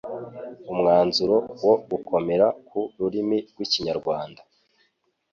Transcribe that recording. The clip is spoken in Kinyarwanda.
umwanzuro wo gukomera ku Rurimi rw'Ikinyarwanda